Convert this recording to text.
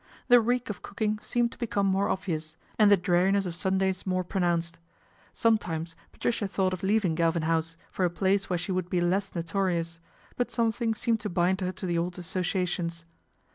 The reek of cooking seemed to become more obvious, and the dreariness of Sundays more pronounced. Some times Patricia thought of leaving Galvin House for a place where she would be less notorious ; but something seemed to bind her to the old associa tions.